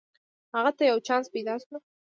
هغه ته یو چانس پیداشو